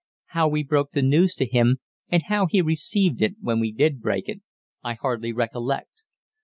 How we broke the news to him, and how he received it when we did break it, I hardly recollect.